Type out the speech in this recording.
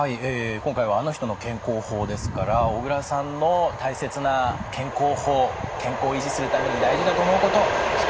今回は「あの人の健康法」ですから小倉さんの大切な健康法健康を維持するために大事だと思うこと色紙に書いていただきました。